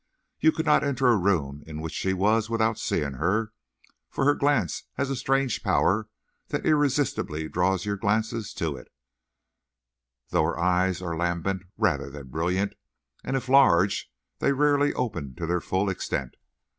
You could not enter a room in which she was without seeing her, for her glance has a strange power that irresistibly draws your glance to it, though her eyes are lambent rather than brilliant, and if large, rarely opened to their full extent.